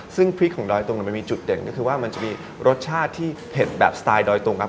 ซึ่งพริกของดอยตุงมันมีจุดเด่นก็คือว่ามันจะมีรสชาติที่เผ็ดแบบสไตล์ดอยตุงครับ